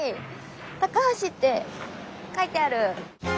橋って書いてある。